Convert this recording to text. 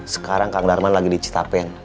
sekarang kang darman lagi dicita pen